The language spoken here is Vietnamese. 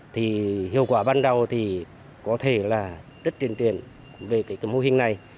thì hiệu quả ban đầu thì có thể là rất tiền tiền về cái mô hình này